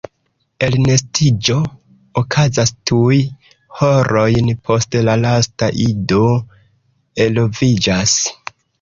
Elnestiĝo okazas tuj horojn post la lasta ido eloviĝas.